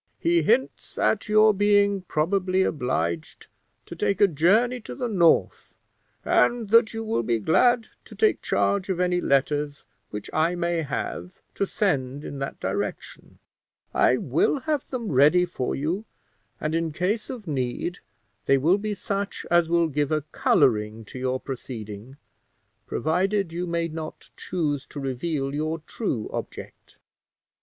He hints at your being probably obliged to take a journey to the north, and that you will be glad to take charge of any letters which I may have to send in that direction. I will have them ready for you; and, in case of need, they will be such as will give a coloring to your proceeding, provided you may not choose to reveal your true object.